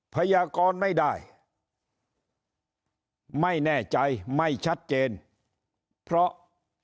พยากรไม่ได้ไม่แน่ใจไม่ชัดเจนเพราะ